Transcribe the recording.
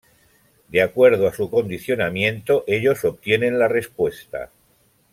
De acuerdo a su condicionamiento ellos obtienen la respuesta.